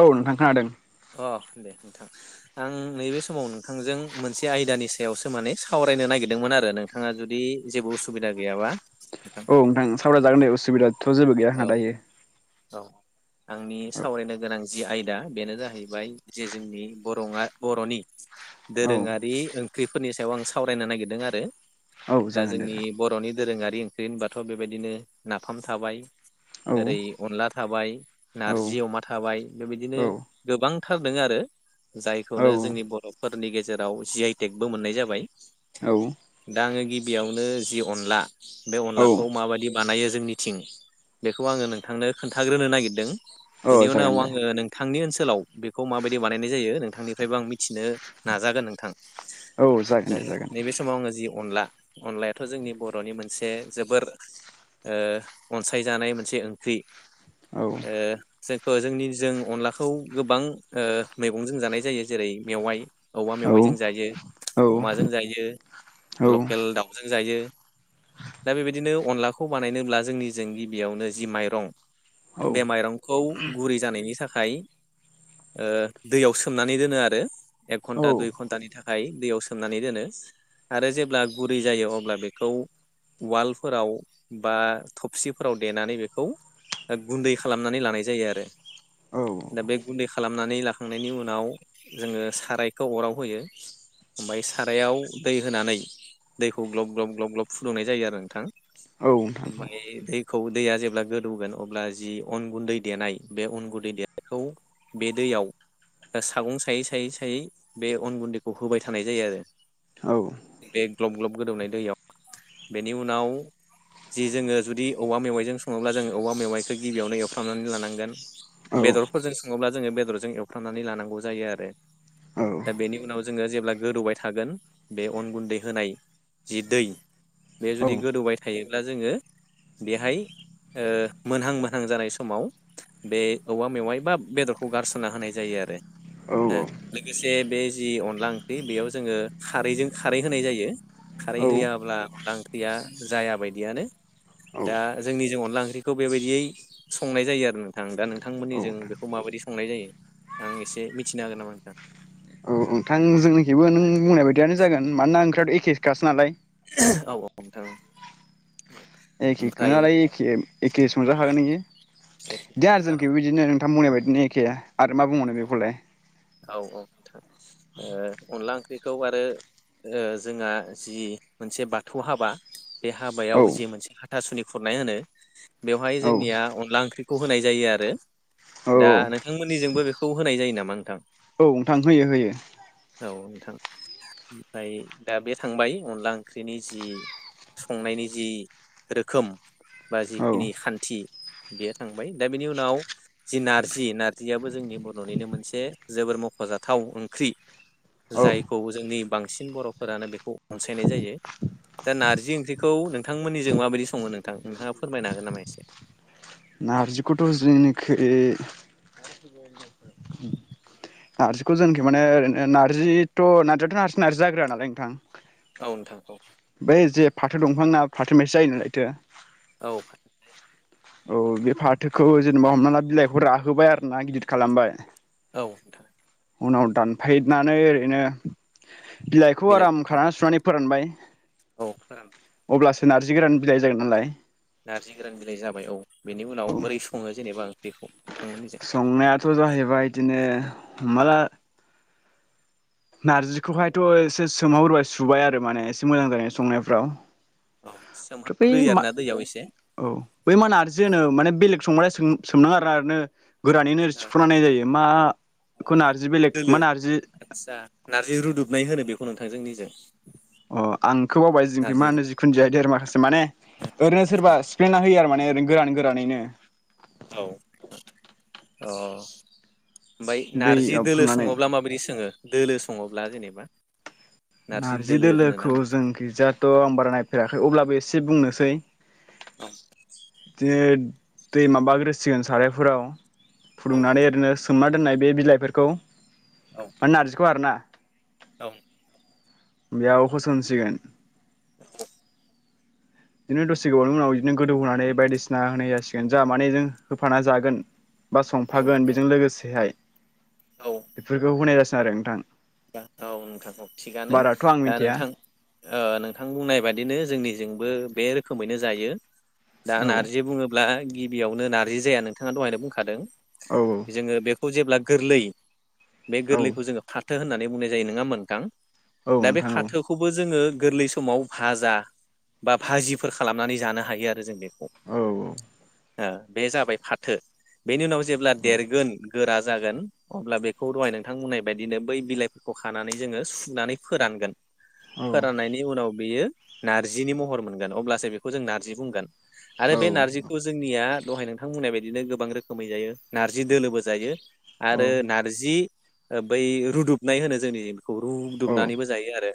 औ नोंथां खोनादों। अ दे नोंथां आं नैबे समाव नोंथांजों मोनसे आयदानि सायावसो माने सावरायनो नागिरदोंमोन। आरो नोंथाङा जुदि जेबो उसुबिदा गैयाबा औ नोंथां सावराय जागोन दे असुबिदा थ' जेबो गैयां हा दायो। औ आंनि सावरायनो गोनां जि आयदा बेनो जाहैबाय जे जोंनि बर'आ बर'नि दोरोङारि ओंख्रिफोरनि सायाव आं सावरायनो नागिरदों आरो दा जोंनि बर'नि दोरोङारि ओंख्रि होनबाथ' बेबायदिनो नाफाम थाबाय ओरै अनला थाबाय नारजि अमा थाबाय बेबायदिनो गोबां थारदों आरो जायखौनो जोंनि बर' फोरनि गेजेराव जि आइटेकबो मोननाय जाबाय दा आङो गिबियावनो जि अनला बे अनलाखौ माबायदि बानायो जोंनिथिं बेखौ आङो नोंथांनो खोन्थाग्रोनो नागिरदों। बेनि उनाव आङो नोंथांनि ओनसोल ओनसोलाव बेखौ माबायदि बानायनाय जायो नोंथांनिफ्रायबो आं मिथिनो नाजागोन नोंथां नैबे समाव आङो जि अनला अनलायाथ' जोंनि बर'नि मोनसे जोबोर अनसाय जानाय मोनसे ओंख्रि ए जायखौ जोंनि जों अनलाखौ गोबां ओ मैगंजों जानाय जायो जेरै मेवाइ औवा मेवाइजों जायो अमाजों जायो लकेल दाउजों जायो दा बेबायदिनो अनलाखौ बानायनोब्ला जोंनि जोंनि बेयावनो जि माइरं बे माइरंखौ गुरै जानायनि थाखाय ओ दैयाव सोमनानै दोनो आरो एक घन्टा दुइ घन्टानि थाखाय दैयाव सोमनानै दोनो आरो जेब्ला गुरै जायो अब्ला बेखौ उवालफोराव बा थबसि फोराव देनानै बेखौ गुन्दै खालामनानै लानाय जायो आरो दा बे गुन्दै खालामनानै लाखांनायनि उनाव जोङो सारायखौ अराव होयो ओमफ्राय सारायाव दै होनानै दैखौ ग्लब ग्लब ग्लब ग्लब फुदुंनाय जायो आरो नोंथां ओमफ्राय दै खौ दैया जेब्ला गोदौगोन अब्ला जि अन गुन्दै देनाय बे अन गुन्दै देनायखौ बे दैयाव सागं सायै सायै सायै बे अन गुन्दैखौ होबाय थानाय जायो आरो बे ग्लब ग्लब गोदौनाय दैयाव बेनि उनाव जि जोङो जुदि औवा मेवाइजों सङोब्ला जोङो औवा मेवाइखौ गिबियावनो एवफ्रामनानै लानांगोन बेदरफोरजों सङोब्ला जोङो बेदरजों एवफ्रामनानै लानांगौ जायो दा बेनि उनाव जोङो जेब्ला गोदौबाय थागोन बे अन गुन्दै होनाय जि दै बे जुदि गोदौबाय थायोब्ला जोङो बेहाय ओ मोनहां मोनहां जानाय समाव बे औवा मेवाइ बा बेदरखौ गारसना होनाय जायो आरो लोगोसे बे जि अनला ओंख्रि बेयाव जोङो खारैजों खारै होनाय जायो खारै होयाब्ला अनला ओंख्रिया जाया बायदियानो दा जोंनि जों अनला ओंख्रिखौ बेबायदियै संनाय जायो आरो नोंथां दा नोंथांमोननि जों बेखौ माबायदि संनाय जायो आं एसे मिथिनो हागोन नामा नोंथां? औ नोंथां जोंनिखैबो नों बुंनाय बायदियानो जागोन मानोना ओंख्रियाथ' एखे खासो नालाय औ औ नोंथां औ एखेखौ नालाय एखे एखे संजाखागोन बियो बिदिनो जोंनिथिंजायबो बिदिनो नोंथां बुंनाय बायदि बिदिनो एखे आरो मा बुंबावनो बेखौलाय औ औ नोंथां अनला ओंख्रिखौ आरो जोंहा जि मोनसे बाथौ हाबा बे हाबायाव जे मोनसे हाथासुनि खुरनाय होनो बेवहाय जोंनिया अनला ओंख्रिखौ होनाय जायो आरो दा नोंथांमोननिजोंबो बेखौ होनाय जायो नामा नोंथां? औ नोंथां होयो होयो औ नोंथां ओमफ्राय दा बे थांबाय अनला ओंख्रिनि जि संनायनि जि रोखोम बा जिखिनि खान्थि बेयो थांबाय दा बेनि उनाव जि नारजि नारजियाबो जोंनि बर'निनो मोनसे जोबोर मख'जाथाव ओंख्रि जायखौ जोंनि बांसिन बर'फोरानो बेखौ अनसायनाय जायो दा नारजि ओंख्रिखौ नोंथांमोननिजों माबायदि सङो नोंथां नोंथाङा फोरमायनो हागोन नामा एसे? नारजिखौथ' जोंनिखै नारजिखौ जोंखि माने ओरैनो नारजिथ' नारजियाथ' नार नारजि जाग्रोयानालाय नोंथां बै जे फाथो दंफां ना [unintelligible] औ औ बे फाथोखौ जेनेबा हमना ला बिलाइखौ राहोबाय आरो ना गिदिर खालामबाय औ नोंथां उनाव दानफायनानै ओरैनो बिलाइखौ आराम खाना सुनानै फोरानबाय अब्लासो नारजि गोरान बिलाइ जागोन नालाय नारजि गोरान बिलाइ जाबाय औ बेनि उनाव बोरै सङो जेनेबा ओंख्रिखौ संनायाथ' जाहैबाय इदिनो हमना ला नारजिखौहायथ' एसे सो सोमहामगोरबा सुबाय आरो माने एसे मोजां जायो संनायफ्राव थ बै मा औ बै मा नारजि होनो माने बेलेग संग्राया सोम सोमना आरोना [unintelligible] गोरानैनो सिफ्रुना होनाय जायो माखौ नारजि बिलाइ मा नारजि जोंनिजों अ आं एखौ बावबाय जिंखै मा होनो जिखुन जाया देर माखासे माने ओरैनो सोरबा सिफ्लेना होयो आरो माने ओरैनो गोरानै गोरानैनो। [unintelligible] औ अ ओमफाय नारजि दोलो सङोब्ला माबायदि सोङो? दोलो सङोब्ला जेनेबा नारजि दोलोखौ जोंखैजाथ' आं बारा नायफेराखै अब्लाबो एसे एसे बुंनोसै औ दै माबाग्रोसिगोन सारायफोराव फुदुंनानै ओरैनो सोमनानै दोननाय बे बिलाइफोरखौ माने नारजिखौ आरो ना औ बेयावखौ होसनसिगोन [unintelligible] बिदिनो दसे गोबावनि उनाव इदिनो गोदौहोनानै बायदिसिना होनाय जासिगोन जा माने जों होफाना जागोन। बा संफागोन बेजों लोगोसेहाय बेफोरखौ [unintelligible] आरो नोंथां औ नोंथांखौ थिगानो दा नोंथां नोंथां बुंनाय बादिनो जोंनिजोंबो बे रोखोमैनो जायो। दा नारजि बुङोब्ला गिबियावनो नारजि जाया नोंथाङा दहायनो बुंखादों जोङो बे खौ जेब्ला गोरलै बे गोरलैखौ जोङो फाथ होननानै बुंनाय जायो नङा होमबा नोंथां। दा बे फाथोखौबो जोङो गोरलै समाव भाजा बा भाजिफोर खालामनानै जानो हायो आरो जों बेखौ। औ औ। ओ बे जाबाय फाथो। बेनि उनाव जेब्ला देरगोन गोरा जागोन अब्ला बेखौ दहाय नोंथां बुंनाय बायदिनो बै बिलाइफोरखौ खानानै जोङो सुनानै फोरानगोन। फोराननायनि उनाव बेयो नारजिनि महर मोनगोन अब्लासो बेखौ जों नारजि बुंगोन। आरो बे नारजिखौ जोंनिया दहाय नोंथां बुंनाय बायदिनो गोबां रोखोमै जायो नारजि दोलोबो जायो। आरो नारजि ओ बै रुदुबनाय होनो जोंनि खौ रुदुबनानैबो जायो आरो।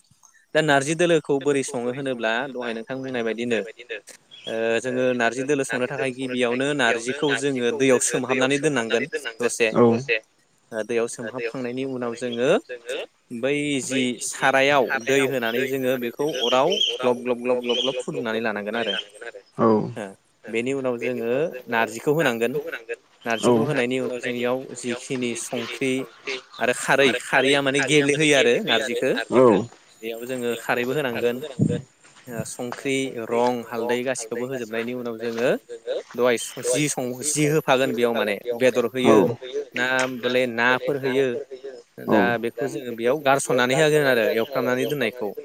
दा नारजि दोलोखौ बोरै सङो होनोब्ला दहाय नोंथां बुंनाय बायदिनो ओ जोङो नारजि दोलो संनो थाखाय गिबियावनो नारजिखौ जोङो दैआव सोमहाबनानै दोनांगोन दसे दैयाव सोमहाबखांनायनि उनाव जोङो बै जि सारायाव दै होनानै जों जोङो बेखौ अराव ग्लब ग्लब ग्लब ग्लब ग्लब फुदुंनानै लानांगोन आरो ओ बेनि उनाव जोङो नारजिखौ होनांगोन नारजिखौ होनायनि उनाव जों इयाव जिखिनि संख्रि आरो खारै खारैया माने गेबेलेहोयो आरो नारजिखौ बेयाव जोङो खारैबो होनांगोन ओ संख्रि ओ रं हालदै गासिखौबो होजोबनायनि उनाव जोङो दहाय जि सं जि होफागोन बेयाव माने बेदर होयो ना होम बेलाय नाफोर होयो दा बेखौ जोङो बेयाव गारसननानै होआगोन आरो एवफ्रामनानै दोननायखौ ‌।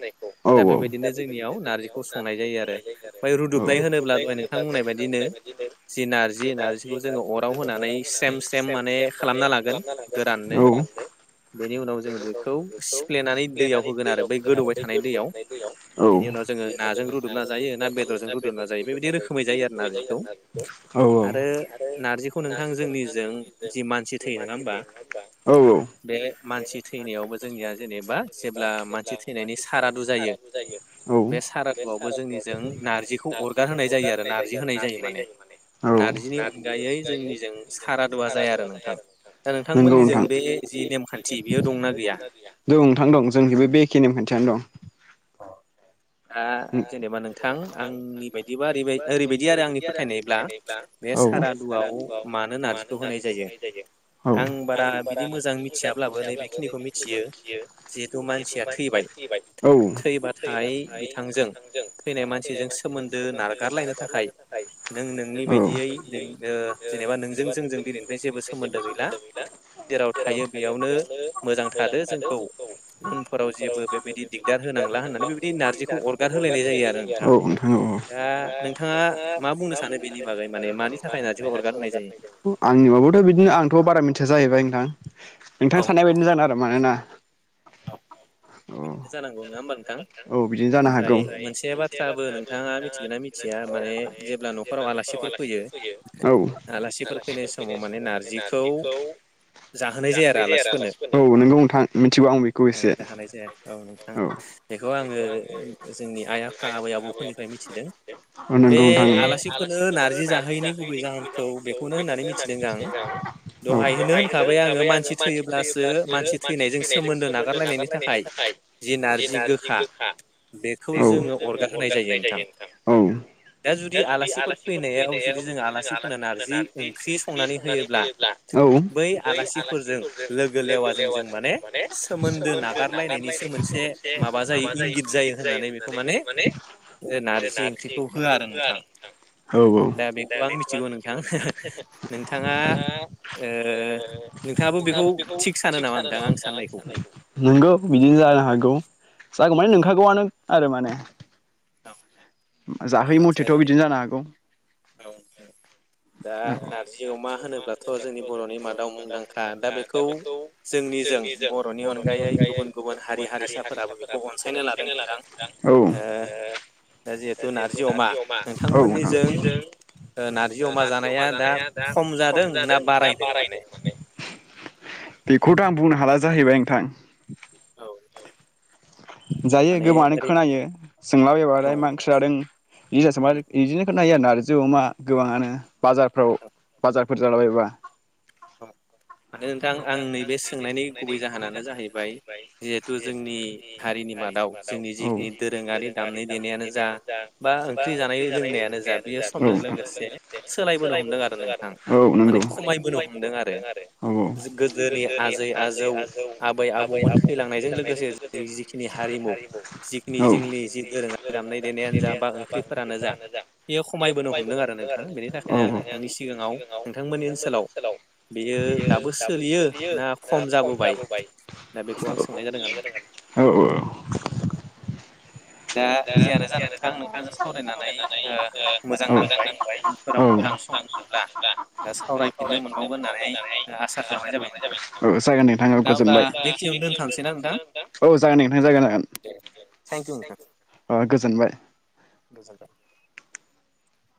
दा बेबायदिनो जोंनियाव नार्जिखौ संनाय जायो आरो ओमफ्राय रुदुबनाय होनोब्ला दहाय नोंथांमोननाय बायदिनो जि नार्जि नार्जिखौ जोङो अराव होनानै स्रेम स्रेम माने खालामना लागोन गोराननो। बेनि उनाव जोंङो बेखौ सिफ्लेनानै दैयाव होगोन आरो बै गोदौबाय थानाय बेनि उनाव जोङो नाजों रुदबना जायो ना बेदरजों रुदुमना जायो बेबायदि रोखोमै जायो आरो नार्जिखौ आरो नारजिखौ नोंथां जोंनिजों जि मानसि थैयो नङा होमबा। बे मानसि थैनायावबो जोंनिया जेनेबा जेब्ला मानसि थैनायनि सारादु जायो बे सारादुआवबो जोंनिजों नार्जिखौ अरगार होनाय जायो आरो नार्जि होनाय जायो माने नार्जिनि अनगायै जोंनिजों सारादुआ जाया आरो नोंथां दा नोंथांमोननिजों बे दं नोंथां दं जोंनिबो बे ऐखे नेम दं अ दा जेनेबा नोंथां आंनि बायदिबा ओरैबाय ओरैबायदि आरो आंनि फोथायनायब्ला बे सारादुआव मानो नारजिखौ होनाय जायो। आं बारा बिदि मोजां मिथियाब्लाबो नै बेेखिनिखौ मिथियो। जिहेथु मानसिया थै औ औ जेबो बेबायदि दिगदार होनांला होननानै बेबायदि नारजिखौ अरगार होलायनाय जायो आरो नोंथां। दा नोंथाङा मा बुंनो सानो बेनि बागै माने मानि थाखाय नारजिखौ अरगार होनाय जायो? नोंथां नोंथां साननाय बायदिनो जागोन आरो मानोना औ बिदिनो जानांगौ नङा होमबा नोंथां? ओमफ्राय मोनसे बाथ्राबो नोंथाङा मिथिगोन ना मिथिया? माने जेब्ला न'खराव आलासिफोर फैयो आलासिफोर फैनाय समाव माने नार्जिखौ जाहोनाय जाया आरो आलासिफोरनो जाहोनाय जाया ओ ओ जाहोनाय जाया औ नोंथां बेखौ आङो जोंनि आइ आफा आबै आबौफोरनिफ्राय मिथिदों बे आलासिफोरनो नारजि जाहोयैनि गुबै जाहोनखौ बेखौनो होननानै मिथिदों आं दहाय होनो होनखाबाय आङो मानसि थैयोब्लासो मानसि थैनायजों सोमोन्दो नागारलायनायनि थाखाय औ औ औ औ औ नंगौ जानो हागौ जागौ मानि नोंखागौआनो आरो माने [unintelligible] जाहोयि मथेथ' बिदिनो जानो हागौ औ दा नारजि अमा होनोब्लाथ' जोंनि बर'नि मादाव मुंदांखा दा बेखौ जोंनिजों बर'नि अनगायै गुबुन गुबुन हारि हारिसाफोराबो बेखौ अनसायनो लादों नोंथां ओ दा औ नोंथां ओ नारजि अमा जानाया दा खम जादों ना बारायदों माने बेखौथ' आं बुंनो हाला जाहैबाय नोंथां [inaudible] जायो गोबाङानो खोनायो सोंलाबायबालाय मा जादों इदि होनना सोंबा इदिनो नाया नारजि अमा गोबाङानो बाजारफ्राव बाजारफोर जालाबायबा माने नोंथां आं नैबे सोंनायनि गुबै जाहोनानो जाहैबाय जिहेथु जोंनि हारिनि मादाव जोंनि जिखिनि दोरोङारि दामनाय देनायानो औ नोंथां औ नोंगौ हमदों आरो औ औ गोदोनि आजै आजौ आबै आबौमोन थैलांनायजों लोगोसे हारिमुनि जि दोरोङा देनायानो जा बा ओंख्रिफोरानो जा बेयो खमायबोनो हमदों आरो नोंथाङा बेनि थाखायनो आं नोंथांनि सिगाङाव नोंथांमोननि ओनसोलाव बियो दाबो सोलियो ना खम जाबोबाय ओ औ दा जेआनो जा आं नोंथांजों सावरायनानै मोजां नांबाय उनफोराव नोंथां सम मोनोब्ला सावरायफिननो मोनबावगोन होननानै आसा खालामनाय जाबाय नोंथां दा अब्ला बेखिनियावनो दोनथांसैना नोंथां दे थेंकिउ ओ [unintelligible] गोजा [unintelligible]